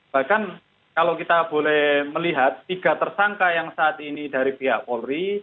bahkan kalau kita boleh melihat tiga tersangka yang saat ini dari pihak polri